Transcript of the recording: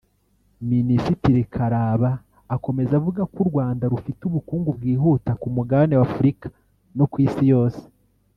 Minisitiri Kalaba akomeza avuga ko u Rwanda rufite ubukungu bwihuta ku mugabane w’Afurika no ku isi yose